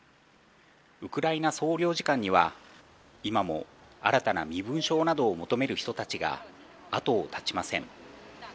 ウクライナ総領事館には今も新たな身分証などを求める人たちが後を絶ちません。